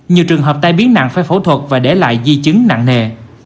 nhiều trường hợp tai biến nặng phải phẫu thuật và để lại di chứng nặng nề